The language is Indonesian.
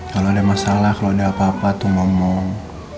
kalau ada masalah kalau ada apa apa tuh ngomong